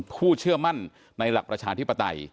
เชื่อมั่นในหลักประชาธิปไตย